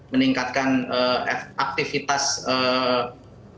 meningkatkan aktivitas kesehatan